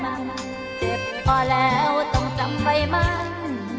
เจ็บพอแล้วต้องจำไว้มั่ง